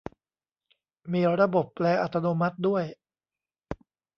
มีระบบแปลอัตโนมัติด้วย !